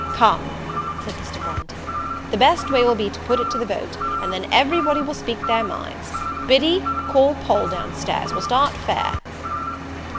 "Come," said Mr. Branghton, "the best way will be to put it to the vote, and then every body will speak their minds. Biddy, call Poll down stairs. We'll start fair."